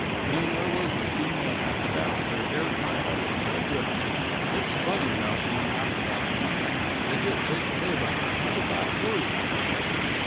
Then there was the female acrobat with her hair tied up with red ribbon. It's funny about them acrobat wimmen. They get big pay, but they never buy cloze with their money.